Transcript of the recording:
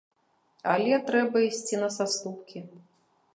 Але трэба ісці на саступкі.